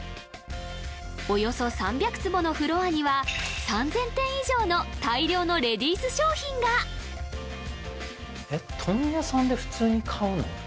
およそ３００坪のフロアには３０００点以上の大量のレディース商品がえっ問屋さんで普通に買うの？